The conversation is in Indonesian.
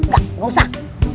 gak gak usah